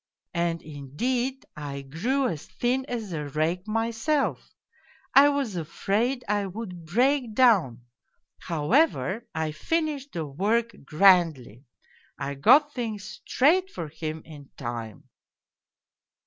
And, indeed, I grew as thin as a rake mj^self, I was afraid I would break down. However, I finished the work grandly. I got things straight for him in time.